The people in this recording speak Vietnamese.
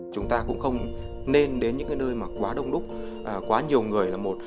chúng ta cũng không nên đến những nơi mà quá đông đúc quá nhiều người là một